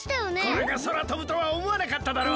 これがそらとぶとはおもわなかっただろ。